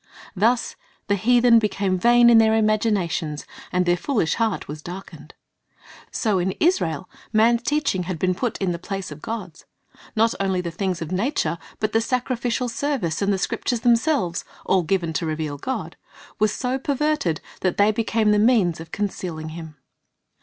Thus the heathen "became vain in their imaginations, and their foolish heart was darkened."^ So in Israel, man's teaching had been put in the place of God's. Not only the things of nature, but the sacrificial service and the Scriptures themselves, — all given to reveal God, — were so perverted that they became the means of concealing Him.